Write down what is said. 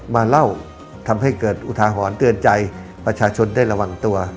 มาเล่าทำให้เกิดอุทาหรณ์เตือนใจประชาชนได้ระวังตัว